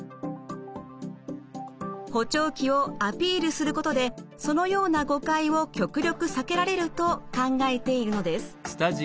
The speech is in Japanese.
補聴器をアピールすることでそのような誤解を極力避けられると考えているのです。